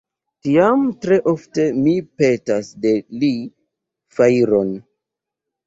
Tiam tre ofte mi petas de li fajron.